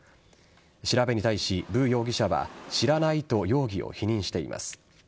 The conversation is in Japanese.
調べに対し、ブ容疑者は知らないと容疑を否認しています。